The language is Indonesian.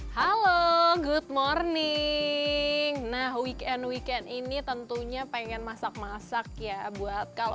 halo good morning nah weekend weekend ini tentunya pengen masak masak ya buat kalau